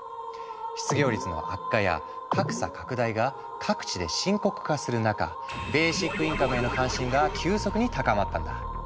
失業率の悪化や格差拡大が各地で深刻化する中ベーシックインカムへの関心が急速に高まったんだ。